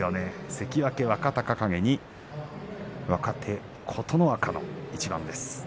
関脇若隆景に若手、琴ノ若の一番です。